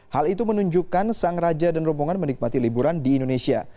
hal itu menunjukkan sang raja dan rombongan menikmati liburan di indonesia